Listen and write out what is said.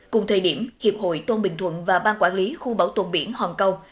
cùng thời điểm hiệp hội tôn bình thuận và ban quản lý khu bảo tồn biển hòn câu